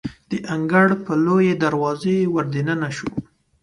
د انګړ په لویې دروازې وردننه شوو.